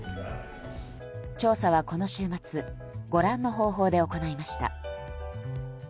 調査はこの週末ご覧の方法で行いました。